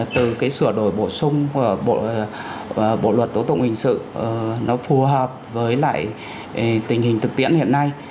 từ cái sửa đổi bổ sung của bộ luật tố tụng hình sự nó phù hợp với lại tình hình thực tiễn hiện nay